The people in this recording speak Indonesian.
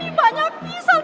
lampunya banyak pisang